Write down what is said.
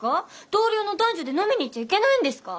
同僚の男女で飲みに行っちゃいけないんですか？